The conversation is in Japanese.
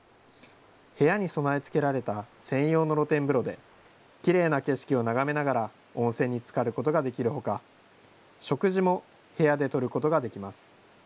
部屋に備え付けられた専用の露天風呂で、きれいな景色を眺めながら、温泉につかることができるほか、食事も部屋でとることができます。